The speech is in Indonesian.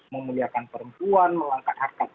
memuliakan perempuan melangkat hak hak